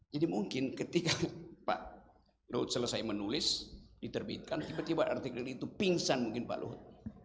jadi mungkin ketika pak lohut selesai menulis diterbitkan tiba tiba artikel itu pingsan mungkin pak lohut